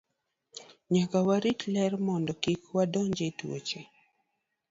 Nyaka warit ler mondo kik wadonj e tuoche.